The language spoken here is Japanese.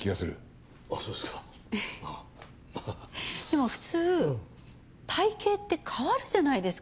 でも普通体形って変わるじゃないですか。